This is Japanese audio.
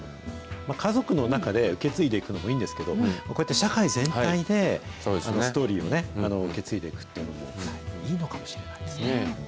家族の中で受け継いでいくのもいいんですけれども、こうやって社会全体でストーリーを受け継いでいくっていうのも、いいのかもしれないですね。